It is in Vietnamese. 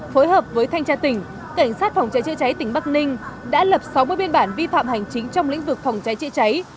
phối hợp với thanh tra tỉnh cảnh sát phòng cháy chữa cháy tỉnh bắc ninh đã lập sáu mươi biên bản vi phạm hành chính trong lĩnh vực phòng cháy chữa cháy